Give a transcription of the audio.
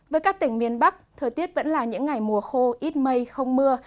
với các tỉnh miền bắc thời tiết vẫn là những ngày mùa khô ít mây không mưa